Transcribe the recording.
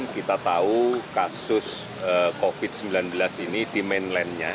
kita tahu kasus covid sembilan belas ini di mainlandnya